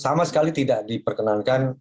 sama sekali tidak diperkenankan